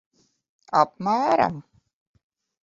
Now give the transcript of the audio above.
Apmēram.